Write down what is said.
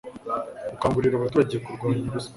gukangurira abaturage kurwanya ruswa